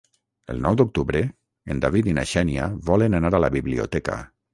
El nou d'octubre en David i na Xènia volen anar a la biblioteca.